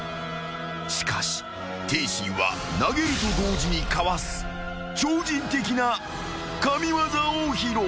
［しかし天心は投げると同時にかわす超人的な神業を披露］